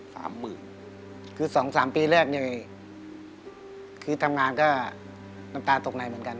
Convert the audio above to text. อเจมส์คือ๒๓ปีแรกเนี่ยคือทำงานก็น้ำตาตกในเหมือนกันค่ะ